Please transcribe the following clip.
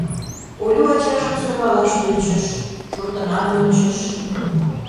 Олю ачажым сӧрвалаш тӧчыш, шортынат ончыш.